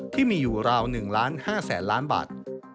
ที่มีอยู่ราว๑ล้าน๕แสนล้านบาท